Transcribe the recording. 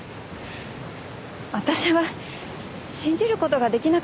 私は信じる事が出来なかったんです。